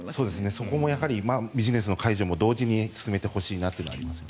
そこもビジネスの解除も同時に進めてほしいなというのはありますね。